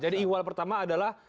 jadi iwal pertama adalah